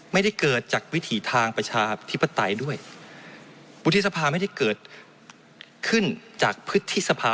ไม่ได้เกิดจากวิถีทางประชาธิปไตยด้วยวุฒิสภาไม่ได้เกิดขึ้นจากพฤษภา